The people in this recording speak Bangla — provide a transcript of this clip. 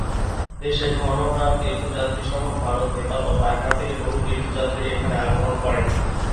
দেশের ধর্মপ্রাণ তীর্থযাত্রীসহ ভারত, নেপাল ও মায়ানমার থেকে বহু তীর্থযাত্রী এখানে আগমন করেন।